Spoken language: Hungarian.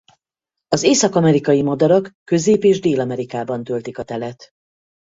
Az észak-amerikai madarak Közép- és Dél-Amerikában töltik a telet.